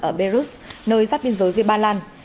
ở belarus nơi giáp biên giới với ba lan